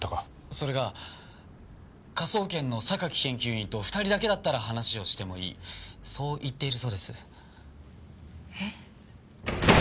それが科捜研の榊研究員と２人だけだったら話をしてもいいそう言っているそうです。え？